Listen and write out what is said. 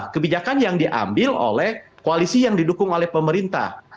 kebijakan yang diambil oleh koalisi yang didukung oleh pemerintah